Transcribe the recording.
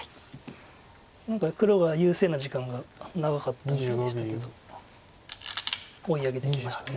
何か黒が優勢な時間が長かったんですけど追い上げてきました。